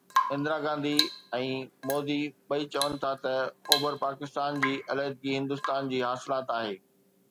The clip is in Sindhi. اندرا گانڌي ۽ مودي ٻئي چون ٿا ته اوڀر پاڪستان جي علحدگي هندستان جي حاصلات آهي.